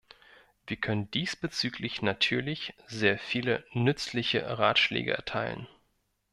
Wir können diesbezüglich natürlich sehr viele nützliche Ratschläge erteilen.